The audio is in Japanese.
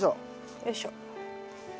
よいしょ。